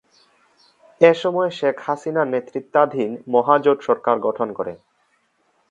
এসময় শেখ হাসিনার নেতৃত্বাধীন মহাজোট সরকার গঠন করে।